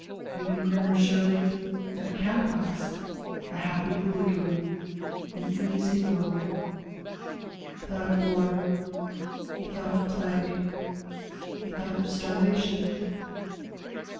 Even grimmer, surely, than a Catbox, a Happy Hooligan, an Easy Go. He thought of war. He thought of plague. He thought of starvation.